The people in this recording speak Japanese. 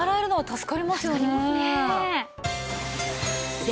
助かりますね。